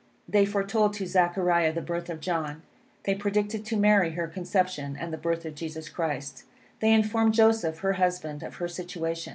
They foretold to Zechariah the birth of John. They predicted to Mary her conception, and the birth of Jesus Christ. They informed Joseph, her husband, of her situation.